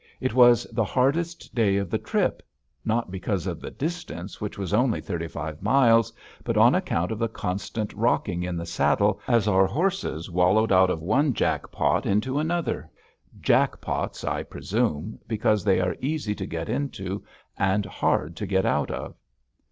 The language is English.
It was the hardest day of the trip, not because of the distance, which was only thirty five miles, but on account of the constant rocking in the saddle as our horses wallowed out of one "jack pot" into another jack pots, I presume, because they are easy to get into and hard to get out of!